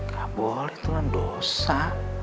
gak boleh tuhan dosa